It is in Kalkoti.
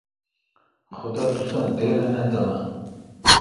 خدا تساں ڈیراے° نہ دمہ۔